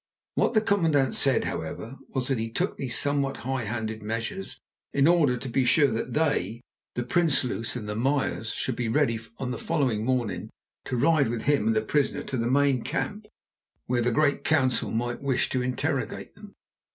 What the commandant said, however, was that he took these somewhat high handed measures in order to be sure that they, the Prinsloos and the Meyers, should be ready on the following morning to ride with him and the prisoner to the main camp, where the great council might wish to interrogate them.